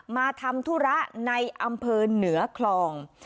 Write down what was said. มาทำธุระในอำเภอเหนือคลอง